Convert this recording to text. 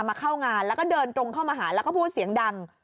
มาเข้างานแล้วก็เดินตรงเข้ามาหาแล้วก็พูดเสียงดัง